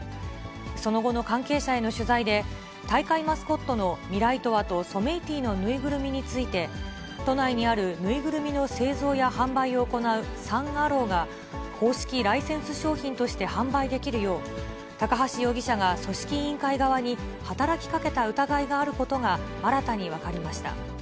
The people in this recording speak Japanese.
その後の関係者への取材で、大会マスコットのミライトワと、ソメイティの縫いぐるみについて、都内にある縫いぐるみの製造や販売を行うサン・アローが公式ライセンス商品として販売できるよう、高橋容疑者が組織委員会側に働きかけた疑いがあることが新たに分かりました。